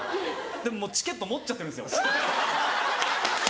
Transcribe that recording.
でももうチケット持っちゃってるんですよ。